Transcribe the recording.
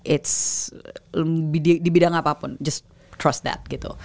it s di bidang apapun just trust that gitu